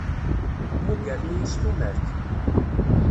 Mmugren-iyi s tumert.